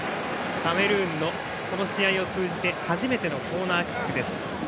カメルーンのこの試合を通じて初めてのコーナーキックです。